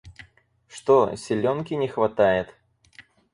Что, силёнки не хватает?